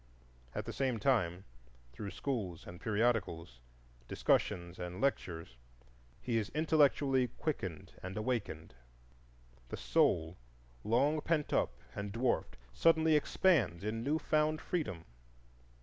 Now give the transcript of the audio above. At the same time, through schools and periodicals, discussions and lectures, he is intellectually quickened and awakened. The soul, long pent up and dwarfed, suddenly expands in new found freedom.